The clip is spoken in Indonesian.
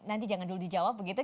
jadi nanti jangan dulu dijawab begitu